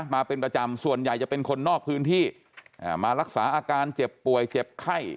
มาเป็นประจำส่วนใหญ่จะเป็นคนนอกพื้นที่มารักษาอาการเจ็บป่วยเจ็บไข้